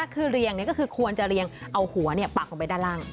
คือเรียงก็คือควรจะเรียงเอาหัวปักลงไปด้านล่าง